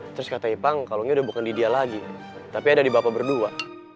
terus kata ipang kalongnya udah bukan di dia lagi tapi ada di bapak berdua